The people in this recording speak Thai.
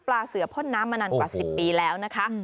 เสือพ่นน้ำมานานกว่า๑๐ปีแล้วนะคะ